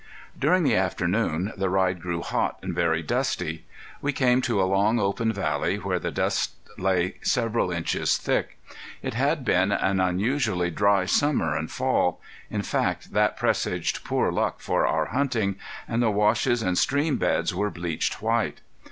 During the afternoon the ride grew hot, and very dusty. We came to a long, open valley where the dust lay several inches deep. It had been an unusually dry summer and fall a fact that presaged poor luck for our hunting and the washes and stream beds were bleached white.